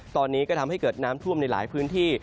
ตอนนี้ก็ทำให้เกิดน้ำท่วมในหลายพื้นที่